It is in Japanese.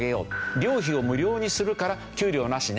「寮費を無料にするから給料はなしね」。